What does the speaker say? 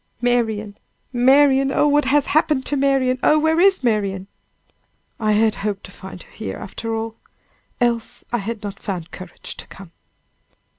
"Marian! Marian! oh! what has happened to Marian! Oh! where is Marian?" "I had hoped to find her here after all! else I had not found courage to come!"